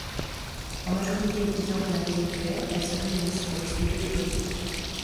En majorité étudiantes et intellectuelles, elles se réunissent pour discuter de politique.